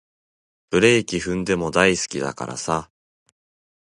ブレーキ踏んでも大好きだからさ